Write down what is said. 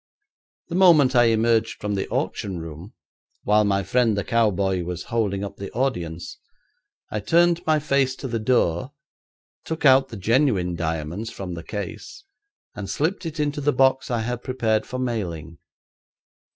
The moment I emerged from the auction room, while my friend the cowboy was holding up the audience, I turned my face to the door, took out the genuine diamonds from the case and slipped it into the box I had prepared for mailing.